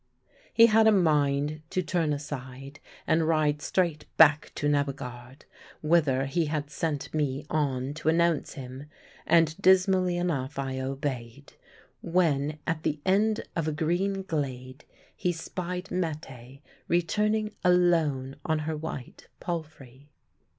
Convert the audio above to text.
He had a mind to turn aside and ride straight back to Nebbegaard, whither he had sent me on to announce him (and dismally enough I obeyed), when at the end of a green glade he spied Mette returning alone on her white palfrey.